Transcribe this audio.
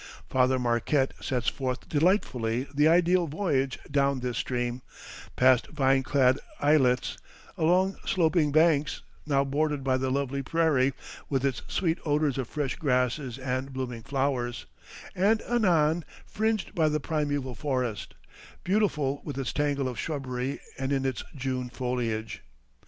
Father Marquette sets forth delightfully the ideal voyage down this stream, past vine clad islets, along sloping banks, now bordered by the lovely prairie, with its sweet odors of fresh grasses and blooming flowers, and anon fringed by the primeval forest, beautiful with its tangle of shrubbery and in its June foliage.